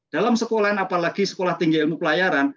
dalam sekolahan apalagi sekolah tinggi ilmu pelayaran